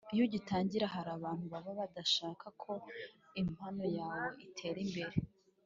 Iyo ugitangira hari abantu baba badashaka ko impano yawe itera imbere.